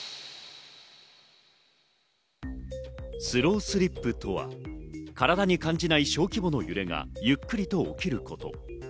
スロースリップとは身体に感じない小規模の揺れがゆっくりと起きること。